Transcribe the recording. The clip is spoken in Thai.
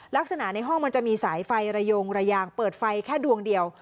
ลักษณะในห้องมันจะมีสายไฟระยงระยางเปิดไฟแค่ดวงเดียว